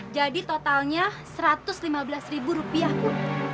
jadi totalnya satu ratus lima belas ribu rupiah bu